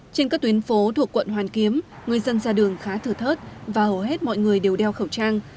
trên các tuyến phố thuộc quận hoàn kiếm người dân ra đường khá thử thớt và hầu hết mọi người đều đeo khẩu trang